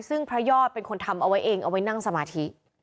ซึ่งพระยอดเป็นคนทำเอาไว้เองเอาไว้นั่งสมาธิ